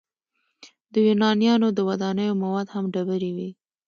د یونانیانو د ودانیو مواد هم ډبرې وې.